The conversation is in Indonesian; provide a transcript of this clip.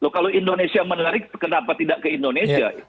kalau indonesia menarik kenapa tidak ke indonesia